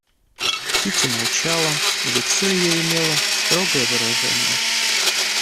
Кити молчала, и лицо ее имело строгое выражение.